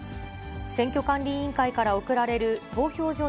選挙管理委員会から送られる投票所